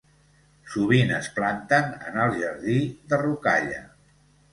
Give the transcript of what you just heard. Sovint es planten en el jardí de rocalla.